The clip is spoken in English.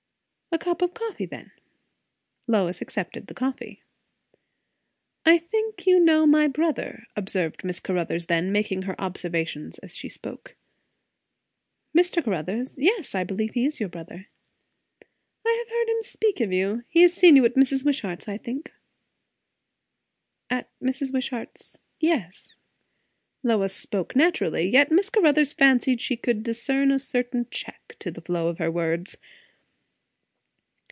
"A cup of coffee then?" Lois accepted the coffee. "I think you know my brother?" observed Miss Caruthers then, making her observations as she spoke. "Mr. Caruthers? yes; I believe he is your brother." "I have heard him speak of you. He has seen you at Mrs. Wishart's, I think." "At Mrs. Wishart's yes." Lois spoke naturally, yet Miss Caruthers fancied she could discern a certain check to the flow of her words.